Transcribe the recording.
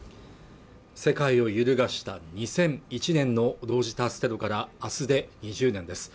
世界を揺るがした２００１年の同時多発テロから明日で２０年です